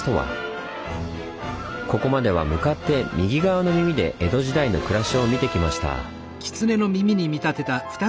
ここまでは向かって「右側の耳」で江戸時代の暮らしを見てきました。